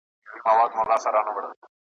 په بڼو به دي هر وار رخسار راښکل کئ